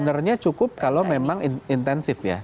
nah problemnya kan kemarin memang yang kita kemarin sempat mencari